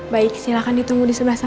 baik silahkan ditunggu di sebelah sana